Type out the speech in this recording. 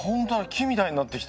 木みたいになってきた。